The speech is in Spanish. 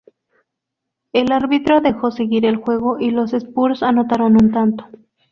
El árbitro dejó seguir el juego y los "spurs" anotaron un tanto.